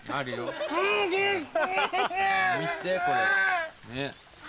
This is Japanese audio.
見せてこれね。